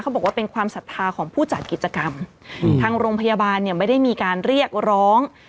บอกว่าเป็นความศรัทธาของผู้จัดกิจกรรมทางโรงพยาบาลเนี่ยไม่ได้มีการเรียกร้อง